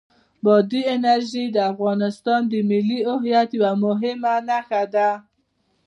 بادي انرژي د افغانستان د ملي هویت یوه مهمه نښه ده.